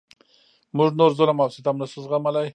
موږ نور ظلم او ستم نشو زغملای.